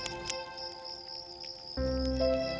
ini bukan atas keju pasti lezat